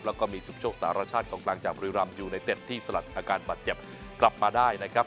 แล้วก็มีสุขโชคสหราชาติของกลางจังบริรามอยู่ในเต็มที่สลัดอาการปัจจัยกลับมาได้นะครับ